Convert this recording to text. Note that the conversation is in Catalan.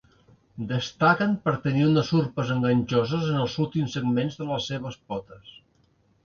Destaquen per tenir unes urpes enganxoses en els últims segments de les seves potes.